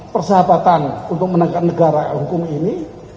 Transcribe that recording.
persahabatan untuk menangkap negara hukum ini